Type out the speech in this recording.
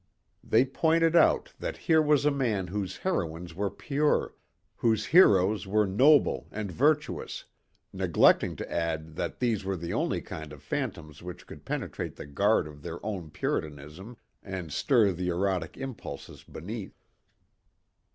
They pointed out that here was a man whose heroines were pure, whose heroes were noble and virtuous neglecting to add that these were the only kind of phantoms which could penetrate the guard of their own puritanism and stir the erotic impulses beneath.